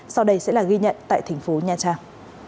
sau đây sẽ là ghi nhận tại thành phố nha trang